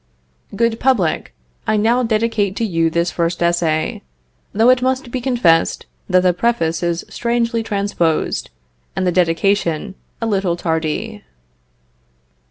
GOOD PUBLIC! I now dedicate to you this first essay; though it must be confessed that the Preface is strangely transposed, and the Dedication a little tardy.